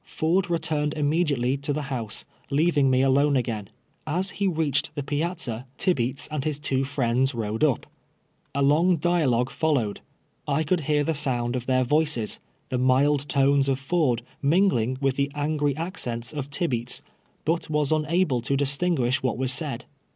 Ford returned immediately to the house, leaving tne alone again. As he reached the piazza, Tibeata 122 TWELVE TEAKS A SLAVE. and his two fn'cmls rode ni». A \ou<^ dialogue fol lowed. I could hear the sound of their voices, the jnild tones of Ford mingling with the angry accents of Tibeats, hut was unable to distinguish what was said.